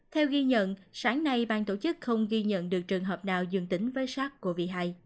theo ghi nhận sáng nay ban tổ chức không ghi nhận được trường hợp nào dương tính với sars cov hai